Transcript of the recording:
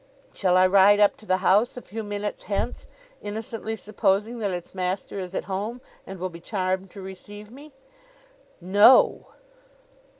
'Shall I ride up to the house a few minutes hence, innocently supposing that its master is at home and will be charmed to receive me?' 'No!